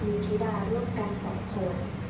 มีธิดาร่วมกัน๒คน